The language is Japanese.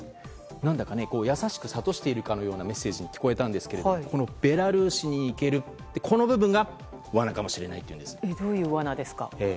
何だか優しく諭しているかのようなメッセージに聞こえたんですけどベラルーシに行けるこの部分がどういう罠ですか？